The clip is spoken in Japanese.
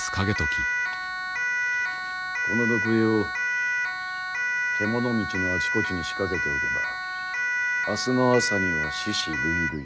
この毒餌を獣道のあちこちに仕掛けておけば明日の朝には死屍累々。